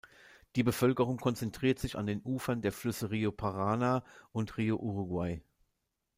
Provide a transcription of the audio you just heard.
Die Bevölkerung konzentriert sich an den Ufern der Flüsse Río Paraná und Río Uruguay.